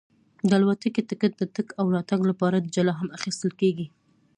د الوتکې ټکټ د تګ او راتګ لپاره جلا هم اخیستل کېږي.